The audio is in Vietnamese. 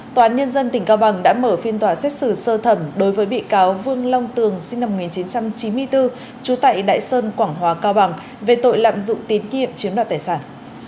tòa án nhân dân tỉnh cao bằng đã mở phiên tòa xét xử sơ thẩm đối với bị cáo vương long tường sinh năm một nghìn chín trăm chín mươi bốn trú tại đại sơn quảng hòa cao bằng về tội lạm dụng tín nhiệm chiếm đoạt tài sản